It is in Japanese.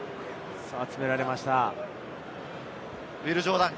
詰められました。